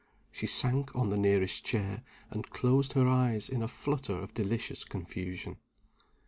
She sank on the nearest chair, and closed her eyes in a flutter of delicious confusion.